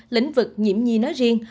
lĩnh vực nhiễm nhi nói riêng